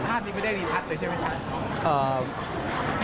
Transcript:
ภาพนี้ไม่ได้รีทัศน์เลยใช่ไหมครับ